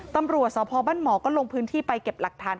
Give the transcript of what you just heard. ตำรวจสพบ้านหมอก็ลงพื้นที่ไปเก็บหลักฐาน